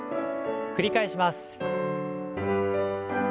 繰り返します。